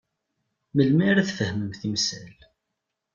Melmi ara tfehmem timsal?